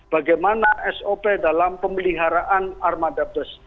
bagaimana sop dalam pemeliharaan armada bus